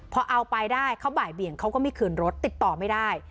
พอเอาไปได้เขาบ่ายเบี่ยงเขาก็ไม่คืนรถติดต่อไม่ได้